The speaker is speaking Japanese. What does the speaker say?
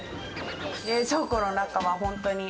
冷蔵庫の中は本当に。